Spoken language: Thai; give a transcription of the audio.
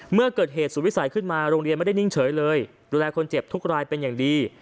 เมื่อเกิดเหตุสุดวิสัยขึ้นมาโรงเรียนไม่ได้นิ่งเฉยเลยดูแลคนเจ็บทุกรายเป็นอย่างดี